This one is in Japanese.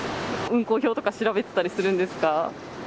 運行表とか、調べてたりするんですか？